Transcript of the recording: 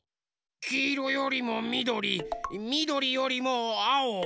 きいろよりもみどりみどりよりもあお。